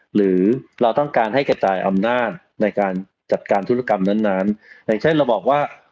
หรือเราต้องการให้กระจายอำนาจในการจัดการธุรกรรมนั้นอย่างเช่นเราบอกว่า